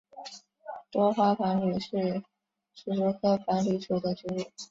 多花繁缕是石竹科繁缕属的植物。